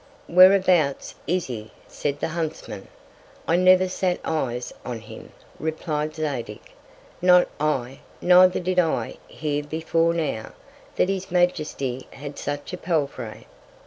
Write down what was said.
Whereabouts is he, said the Huntsman? I never sat Eyes on him, reply'd Zadig, not I, neither did I ever hear before now, that his Majesty had such a Palfrey.